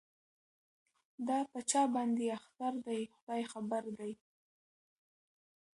دا په چا باندي اختر دی خداي خبر دی